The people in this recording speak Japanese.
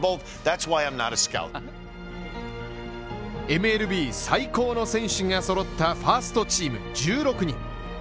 ＭＬＢ最高の選手が揃ったファーストチーム１６人。